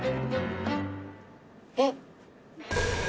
えっ。